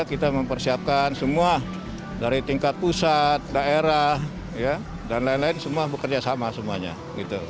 kita mempersiapkan semua dari tingkat pusat daerah dan lain lain semua bekerja sama semuanya gitu